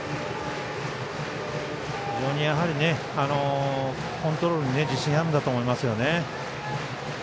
非常にコントロールに自信があるんだと思います。